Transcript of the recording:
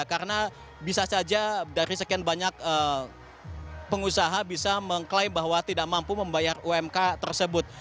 karena bisa saja dari sekian banyak pengusaha bisa mengklaim bahwa tidak mampu membayar umk tersebut